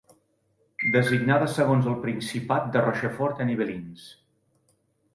Designada segons el principat de Rochefort-en-Yvelines.